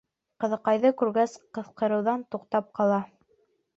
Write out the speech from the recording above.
Ҡыҙыҡайҙы күргәс, ҡысҡырыуҙан туҡтап ҡала.